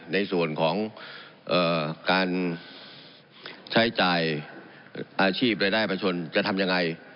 ในส่วนของการใช้จ่ายอาชีพรายได้ประชนจะทำยังไง